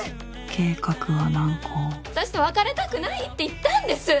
計画は難航私と別れたくないって言ったんです。